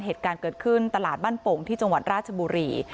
เหตุการณ์เกิดขึ้นตลาดบ้านโป่งที่จังหวัดราชบุรี